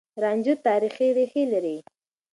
رانجه تاريخي ريښې لري.